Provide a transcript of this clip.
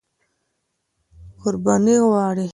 قرباني غواړي.